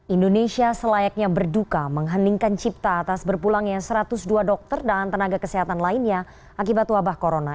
indonesia selayaknya berduka mengheningkan cipta atas berpulangnya satu ratus dua dokter dan tenaga kesehatan lainnya akibat wabah corona